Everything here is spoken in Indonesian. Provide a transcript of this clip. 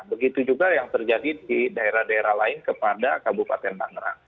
begitu juga yang terjadi di daerah daerah lain kepada kabupaten tangerang